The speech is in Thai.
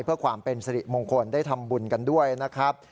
เพื่อความเป็นสิริมงคลได้ทำบุญกันด้วยนะครับ